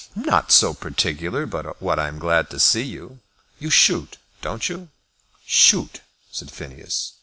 "Not so particular but what I'm glad to see you. You shoot, don't you?" "Shoot!" said Phineas.